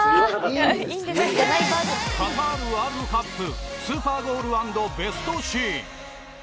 カタールワールドカップスーパーゴール＆ベストシーン。